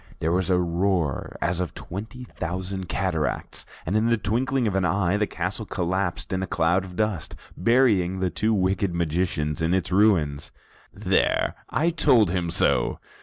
There was a roar as of twenty thousand cataracts, and in the twinkling of an eye, the castle collapsed in a cloud of dust, burying the two wicked magicians in its ruins. "There, I told him so!"